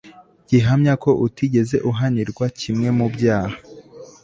gihamya ko utigeze uhanirwa kimwe mu byaha